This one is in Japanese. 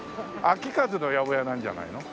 「昭和の八百屋」なんじゃないの？